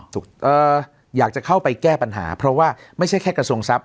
อยากจะเข้าไปแก้ปัญหาเพราะว่าไม่ใช่แค่กระทรวงทรัพย